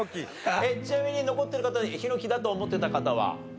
ちなみに残ってる方でヒノキだと思ってた方は？